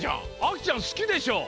あきちゃん好きでしょ？